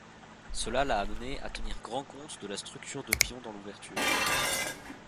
Cela l'a amené à tenir grand compte de la structure de pions dans l'ouverture.